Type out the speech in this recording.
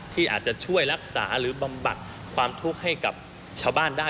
ที่อาจจะช่วยรักษาหรือบำบัดความทุกข์ให้กับชาวบ้านได้